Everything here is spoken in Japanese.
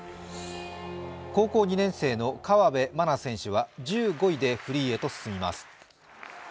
高校２年生の河辺愛菜選手は１５位でフリーへと進みます。